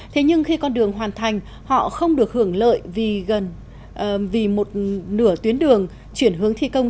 thế nhưng khi con đường hoàn thành họ không được hưởng lợi vì gần vì một nửa tuyến đường chuyển hướng thi công